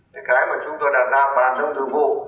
cái mà chúng ta đã làm bàn thông thường vụ